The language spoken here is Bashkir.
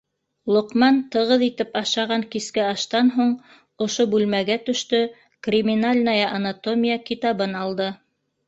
Лоҡман тығыҙ итеп ашаған киске аштан һуң ошо бүлмәгә төштө, «Криминальная анатомия» китабын алды...